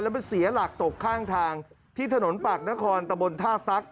มันเสียหลักตกข้างทางที่ถนนปากนครตะบนท่าซัก